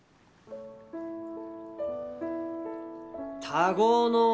「田子の浦」。